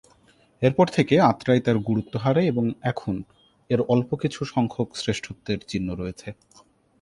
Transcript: এর পর থেকে আত্রাই তার গুরুত্ব হারায় এবং এখন এর অল্প কিছু সংখ্যক শ্রেষ্ঠত্বের চিহ্ন রয়েছে।